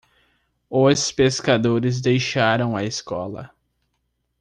Os pescadores deixaram a escola.